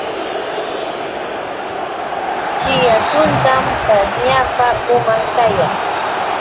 Chiya huntam pashñapa uman kayan.